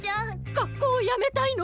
学校やめたいの？